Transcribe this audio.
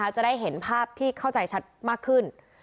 จะได้เห็นภาพที่เข้าใจชัดมากขึ้น